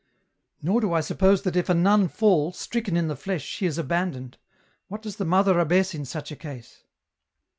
" Nor do I suppose that if a nun fall, stricken in the flesh, she is abandoned. What does the Mother abbess in such a case?